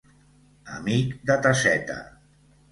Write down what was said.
Amic de tasseta.